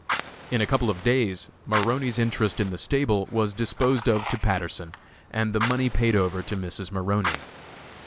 In a couple of days Maroney's interest in the stable was disposed of to Patterson, and the money paid over to Mrs. Maroney.